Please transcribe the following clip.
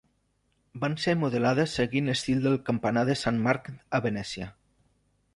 Van ser modelades seguint l'estil del campanar de Sant Marc a Venècia.